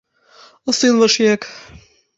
А сын ваш як?